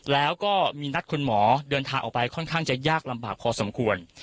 แล้วก็มีนัดคุณหมอเดินทางออกไปค่อนข้างจะยากลำบากพอสมควร